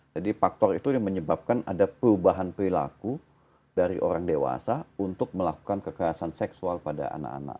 jadi faktor itu menyebabkan ada perubahan perilaku dari orang dewasa untuk melakukan kekerasan seksual pada anak anak